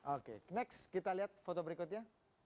oke next kita lihat foto berikutnya